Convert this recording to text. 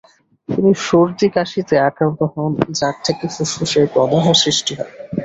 তিনি সর্দি-কাশিতে আক্রান্ত হন যার থেকে ফুসফুসের প্রদাহ সৃষ্টি হয়।